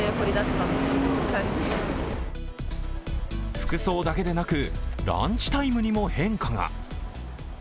服装だけでなく、ランチタイムにも変化が。